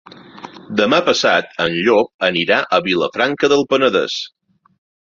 Demà passat en Llop anirà a Vilafranca del Penedès.